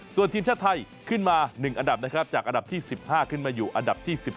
ส่วนทีมชาติไทยขึ้นมา๑อันดับนะครับจากอันดับที่๑๕ขึ้นมาอยู่อันดับที่๑๒